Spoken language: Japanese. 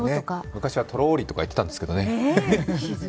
昔は「とろり」とか言ってたんですけどね。